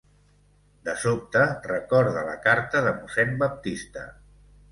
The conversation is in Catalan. De sobte recorda la carta de mossèn Baptista.